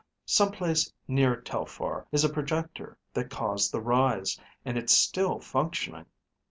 Some place near Telphar is a projector that caused the rise, and it's still functioning.